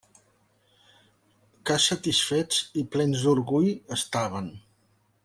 Que satisfets i plens d'orgull estaven!